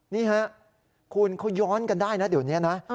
นี่ฮะคุณเขาย้อนกันได้นะเดี๋ยวนี้นะ